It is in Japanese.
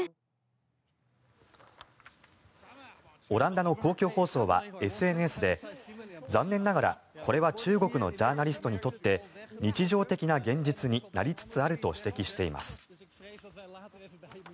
オランダの公共放送はＳＮＳで残念ながら、これは中国のジャーナリストにとって日常的な現実になりつつあると指摘しています。